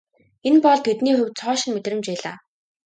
Энэ бол тэдний хувьд цоо шинэ мэдрэмж байлаа.